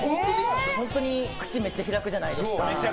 本当に口めっちゃ開くじゃないですか。